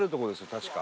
確か。